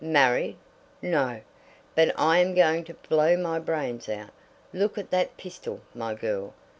"Married! No; but I am going to blow my brains out. Look at that pistol, my girl.